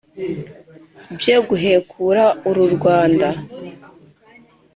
bye guhekura uru rwanda